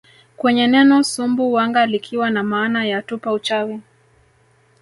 kwenye neno Sumbu wanga likiwa na maana ya tupa uchawi